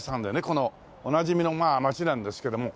このおなじみの街なんですけども。